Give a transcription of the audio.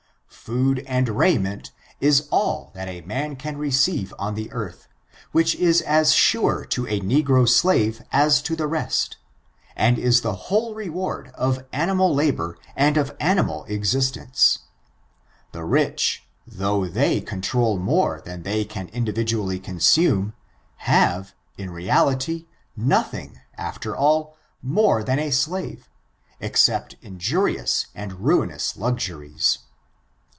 Food and raiment is all that a man can receive on the earth, which is as sure to a negro slave as to the rest, and is the whole reward of animal labor and of animal existence. The rich, though they control more than they can individually consume, have, in reality, nothing, after all, more than a slave, except injurious and ruinous luxuries.